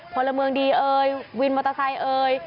พลเมืองดีเอ่ยวินมอเตอร์ไซค์เอ่ย